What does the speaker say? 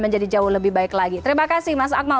menjadi jauh lebih baik lagi terima kasih mas akmal